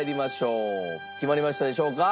決まりましたでしょうか？